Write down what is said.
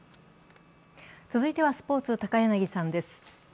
続いてはスポーツ、高柳さんです。